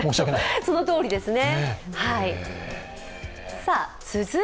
そのとおりですね。